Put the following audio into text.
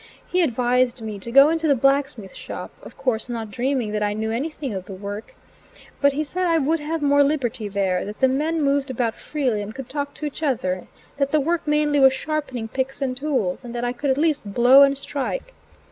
He advised me to go into the blacksmith shop, of course not dreaming that I knew anything of the work; but he said I would have more liberty there; that the men moved about freely and could talk to each other; that the work mainly was sharpening picks and tools, and that I could at least blow and strike.